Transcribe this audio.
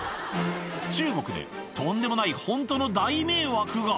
中国でとんでもないほんとの大迷惑が。